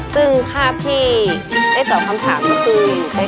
ซึ่งภาพที่ได้ตอบคำถามก็คือ